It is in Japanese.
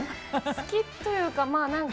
好きというか、まあなんか、